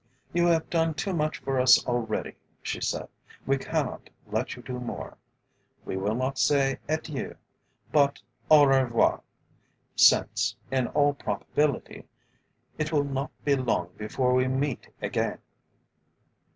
"You have done too much for us already," she said; "we cannot let you do more. We will not say adieu, but au revoir, since, in all probability, it will not be long before we meet again."